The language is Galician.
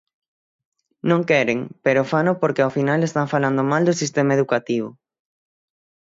Non queren, pero fano, porque ao final están falando mal do sistema educativo.